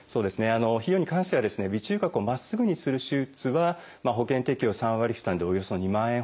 費用に関してはですね鼻中隔をまっすぐにする手術は保険適用３割負担でおよそ２万円ほどになります。